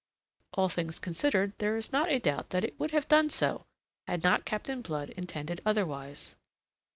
All things considered, there is not a doubt that it would have done so had not Captain Blood intended otherwise.